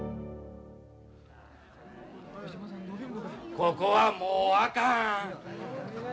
ここはもうあかん。